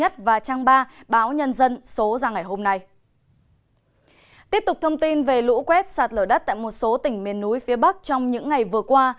tiếp tục thông tin về lũ quét sạt lở đất tại một số tỉnh miền núi phía bắc trong những ngày vừa qua